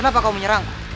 kenapa kau menyerang